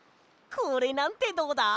これなんてどうだ？